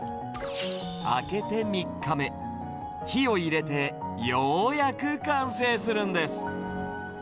明けて３日目、火を入れて、ようやく完成するんです。